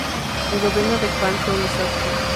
El gobierno de Juan fue un desastre.